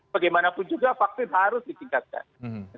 bagaimanapun juga vaksin harus ditingkatkan